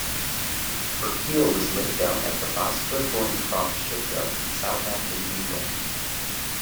Her keel was laid down at the Vosper Thornycroft shipyard in Southampton, England.